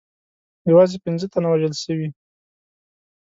یوازې پنځه تنه وژل سوي.